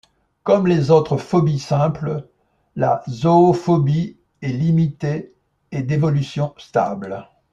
Comme les autres phobies simples, la zoophobie est limitée et d'évolution stable.